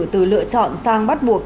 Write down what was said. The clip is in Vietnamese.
từ lựa chọn sang bắt buộc